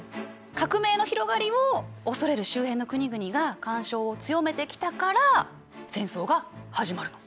革命の広がりを恐れる周辺の国々が干渉を強めてきたから戦争が始まるの。